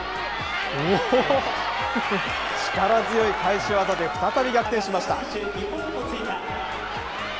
力強い返し技で再び逆転しました。